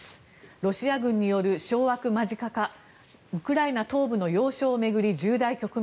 ロシア軍による掌握間近かウクライナ東部の要衝巡り重大局面。